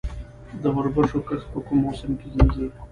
د وربشو کښت په کوم موسم کې کیږي؟